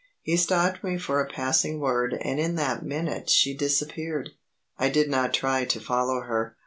He stopped me for a passing word and in that minute she disappeared. I did not try to follow her.